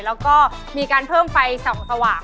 และก็มีการเพิ่มไฟสว่าง